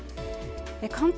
関東